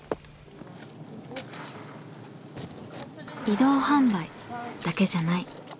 移動販売だけじゃない。